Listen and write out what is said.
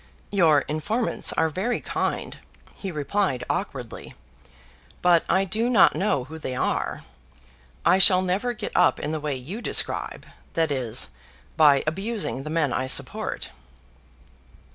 "Your informants are very kind," he replied awkwardly, "but I do not know who they are. I shall never get up in the way you describe, that is, by abusing the men I support."